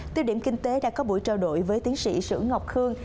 tiêu điểm kinh tế đã có buổi trao đổi với tiến sĩ sử ngọc khương